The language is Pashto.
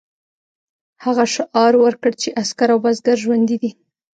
هغه شعار ورکړ چې عسکر او بزګر ژوندي دي.